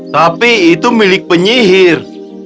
tapi itu milik penyihir